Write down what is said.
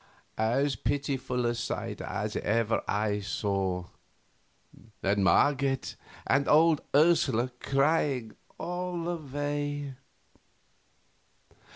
As pitiful a sight as ever I saw. And Marget, and old Ursula crying all the way.